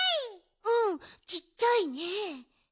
うんちっちゃいね。